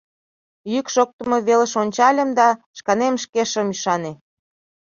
Йӱк шоктымо велыш ончальым да шканем шке шым ӱшане.